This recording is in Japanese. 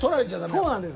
そうなんです。